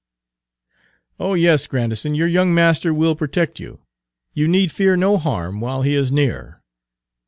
"Oh yes, Grandison, your young master will protect you. You need fear no harm while he is near."